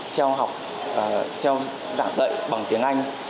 theo giảng dạy bằng tiếng anh